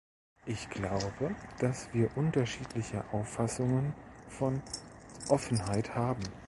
Ich glaube, dass wir unterschiedliche Auffassungen von Offenheit haben.